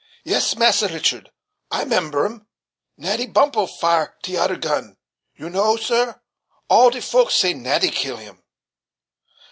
"Yes, massa Richard, I 'member 'em! Natty Bumppo fire t'oder gun. You know, sir, all 'e folks say Natty kill him."